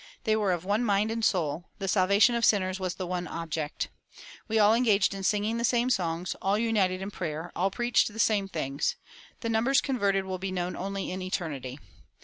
They were of one mind and soul: the salvation of sinners was the one object. We all engaged in singing the same songs, all united in prayer, all preached the same things.... The numbers converted will be known only in eternity.